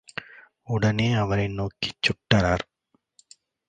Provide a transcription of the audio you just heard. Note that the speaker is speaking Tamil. உடனே அவரை நோக்கிச் சுட்டனர்.